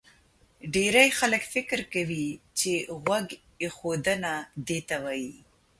ډېری خلک فکر کوي چې غوږ ایښودنه دې ته وایي